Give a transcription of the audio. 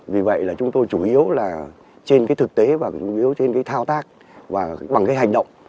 vì vậy là chúng tôi chủ yếu là trên thực tế và chúng tôi chủ yếu trên thao tác và bằng hành động